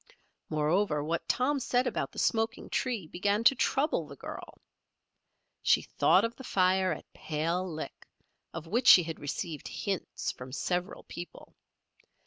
Moreover, what Tom said about the smoking tree began to trouble the girl. She thought of the fire at Pale Lick, of which she had received hints from several people.